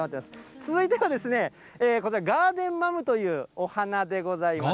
続いてはこちら、ガーデンマムというお花でございます。